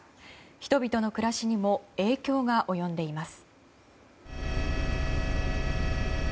人々の暮らしにも影響が及んでいます。